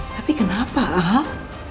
tapi kenapa ah